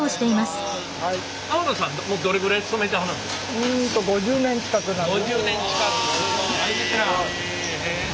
うんと５０年近くなります。